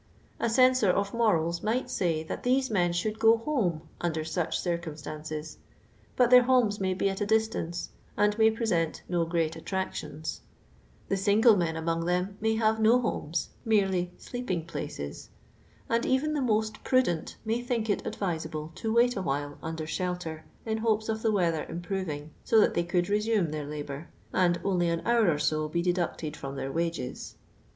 A censor of morals might say that these men should go home under such circumstances ; but their homes may be at a distance, and may present no great attractions ; the single men among them may have no homes, merely sleeping plicas ; and even the more prudent may think it advisable to wait awhile under shelter in hopes of the weather improving, so that they could resume their labour, nfiHi only an hour or so be deducted from their wages.